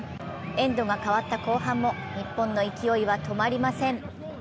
エンドが変わった後半も日本の勢いは止まりません。